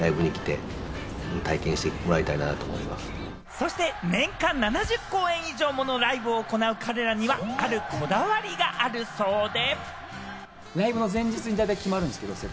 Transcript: そして年間７０公演以上ものライブを行う彼らにはあるこだわりがあるそうで。